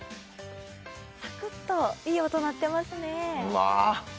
サクッといい音鳴ってますねうわ